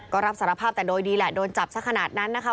ก็รับสารภาพแต่โดยดีแหละโดนจับสักขนาดนั้นนะคะ